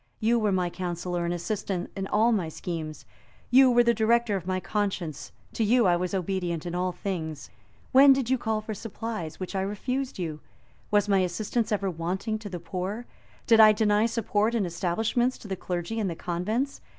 You were my counsellor and assistant in all my schemes: you were the director of my conscience: to you I was obedient in all things. When did you call for supplies, which I refused you? Was my assistance ever wanting to the poor? Did I deny support and establishments to the clergy and the convents?